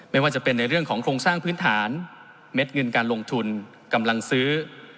ไม่ว่าจะเป็นในเรื่องของโครงสร้างพื้นฐานเม็ดเงินการลงทุนกำลังซื้อ